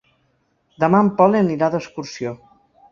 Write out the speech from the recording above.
Demà en Pol anirà d'excursió.